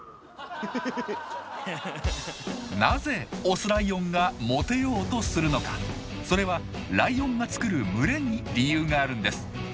なぜオスライオンがモテようとするのかそれはライオンが作る群れに理由があるんです。